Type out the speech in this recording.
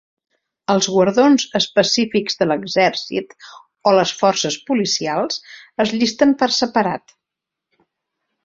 Els guardons específics de l'exercit o les forces policials es llisten per separat.